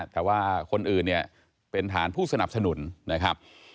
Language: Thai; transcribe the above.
แต่ว่าคนอื่นเนี่ยเป็นฐานผู้สนับสนุนนะครับ